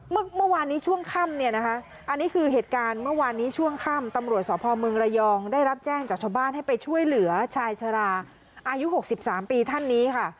เมื่อวานนี้ช่วงค่ำเนี่ยนะคะอันนี้คือเหตุการณ์เมื่อวานนี้ช่วงค่ำตำรวจสพเมืองระยองได้รับแจ้งจากชาวบ้านให้ไปช่วยเหลือชายชาราอายุ๖๓ปีท่านนี้ค่ะ